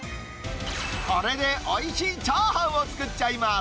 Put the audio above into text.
これでおいしいチャーハンを作っちゃいます。